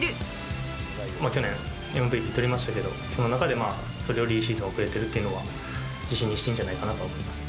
去年、ＭＶＰとりましたけど、その中で、それよりいいシーズンを送れてるというのが、自信にしていいんじゃないかなと思います。